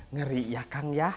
ngeri ya kang